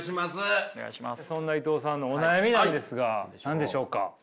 そんな伊藤さんのお悩みなんですが何でしょうか。